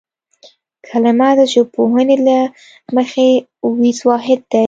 کلمه د ژبپوهنې له مخې وییز واحد دی